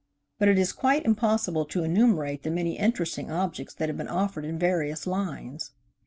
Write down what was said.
But it is quite impossible to enumerate the many interesting objects that have been offered in various lines.